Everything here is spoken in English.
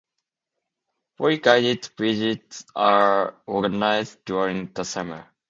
Free guided visits are organised during the summer.